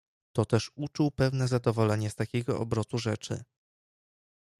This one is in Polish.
"To też uczuł pewne zadowolenie z takiego obrotu rzeczy."